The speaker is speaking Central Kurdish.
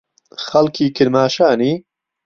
خەڵکی کرماشانی؟